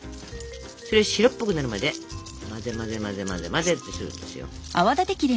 それ白っぽくなるまで混ぜ混ぜ混ぜ混ぜ混ぜってするんですよ。